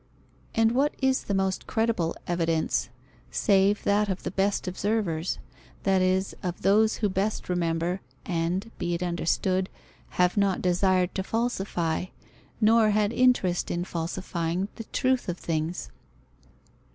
And what is the most credible evidence, save that of the best observers, that is, of those who best remember and (be it understood) have not desired to falsify, nor had interest in falsifying the truth of things?